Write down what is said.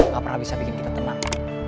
gak pernah bisa bikin kita tenang